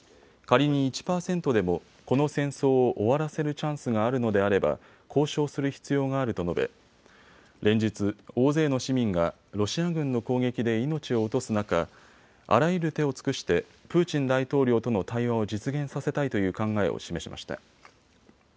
仮に１％でもこの戦争を終わらせるチャンスがあるのであれば交渉する必要があると述べ連日、大勢の市民がロシア軍の攻撃で命を落とす中、あらゆる手を尽くしてプーチン大統領との対話を実現させたいという考えを示しました。